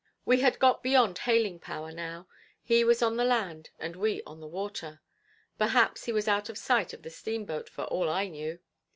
We had got beyond hailing power now; he was on the land and we on the water; perhaps he was out of the sight of the steamboat for all I knew.